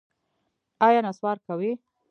ایا نسوار کوئ؟